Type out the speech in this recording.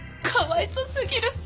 かわいそすぎる！